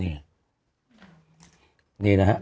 นี่นะฮะ